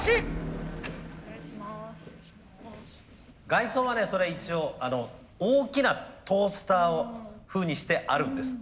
外装はねそれ一応大きなトースター風にしてあるんです。